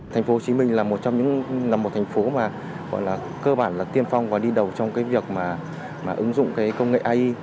tp hcm là một thành phố mà gọi là cơ bản là tiên phong và đi đầu trong cái việc mà ứng dụng công nghệ ai